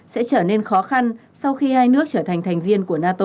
sẽ trở nên khó khăn sau khi hai nước trở thành thành viên của nato